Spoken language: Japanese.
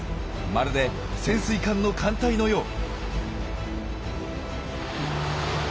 まるで潜水艦の艦隊のよう。